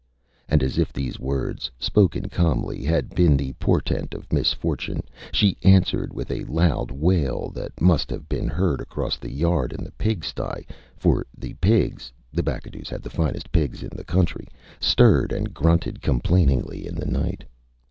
Â And, as if these words, spoken calmly, had been the portent of misfortune, she answered with a loud wail that must have been heard across the yard in the pig sty; for the pigs (the Bacadous had the finest pigs in the country) stirred and grunted complainingly in the night.